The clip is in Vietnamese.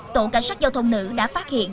tổ cảnh sát giao thông nữ đã phát hiện